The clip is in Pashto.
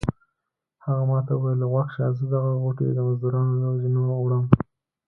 هغه ما ته وویل غوږ شه زه دغه غوټې د مزدورانو له زینو وړم.